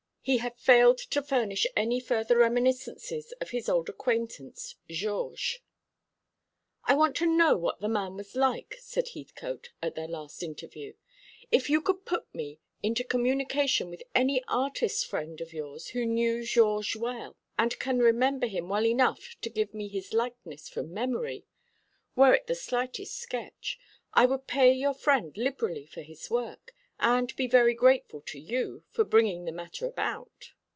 He had failed to furnish any further reminiscences of his old acquaintance Georges. "I want to know what the man was like," said Heathcote, at their last interview. "If you could put me into communication with any artist friend of yours who knew Georges well, and can remember him well enough to give me his likeness from memory were it the slightest sketch I would pay your friend liberally for his work, and be very grateful to you for bringing the matter about."